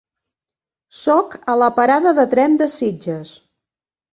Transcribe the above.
Soc a la parada de tren de Sitges.